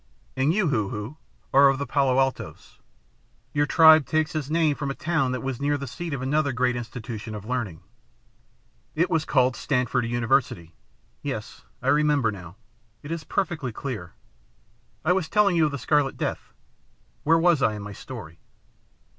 And you, Hoo Hoo, are of the Palo Altos. Your tribe takes its name from a town that was near the seat of another great institution of learning. It was called Stanford University. Yes, I remember now. It is perfectly clear. I was telling you of the Scarlet Death. Where was I in my story?"